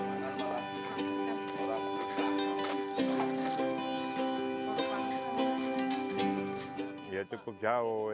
kurasa pas mealnya di pasar ini